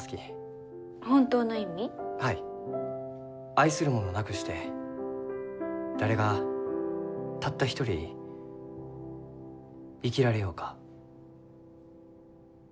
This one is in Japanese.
「愛する者なくして誰がたった一人生きられようか？」。